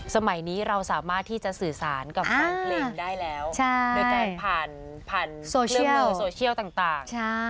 สมัยนี้เราสามารถที่จะสื่อสารกับแฟนเพลงได้แล้วโดยการผ่านเครื่องมือโซเชียลต่าง